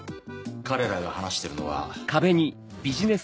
彼らが話してるのは。